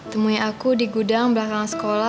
temui aku di gudang belakang sekolah